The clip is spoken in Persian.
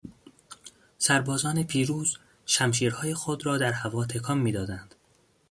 سربازان پیروز، شمشیرهای خود را در هوا تکان میدادند.